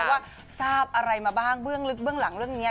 ว่าทราบอะไรมาบ้างเบื้องลึกเบื้องหลังเรื่องนี้